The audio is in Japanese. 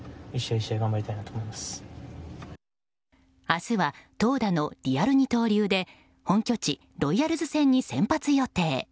明日は投打のリアル二刀流で本拠地ロイヤルズ戦に先発予定。